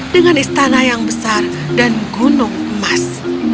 dengan istana yang besar dan gunung emas